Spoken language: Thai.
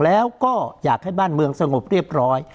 แล้วก็อยากให้บ้านเมืองสงบเรียบร้อย